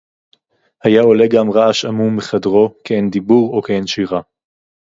הָיָה עוֹלֶה גַם רַעַשׁ עָמוּם מֵחֶדְרוֹ, כְּעֵין דִּבּוּר אוֹ כְּעֵין שִׁירָה